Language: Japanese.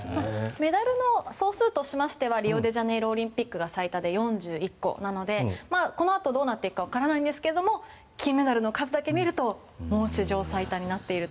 メダルの総数としましてはリオデジャネイロオリンピックが最多で４１個なのでこのあとどうなっていくか分からないですけど金メダルの数だけ見るともう史上最多になっていると。